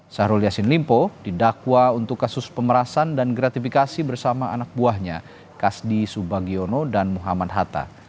syahrul yassin limpo didakwa untuk kasus pemerasan dan gratifikasi bersama anak buahnya kasdi subagiono dan muhammad hatta